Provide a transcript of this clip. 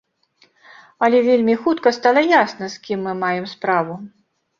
Але вельмі хутка стала ясна, з кім мы маем справу.